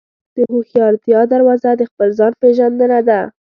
د هوښیارتیا دروازه د خپل ځان پېژندنه ده.